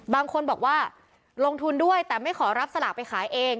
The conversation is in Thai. บางคนบอกว่าลงทุนด้วยแต่ไม่ขอรับสลากไปขายเอง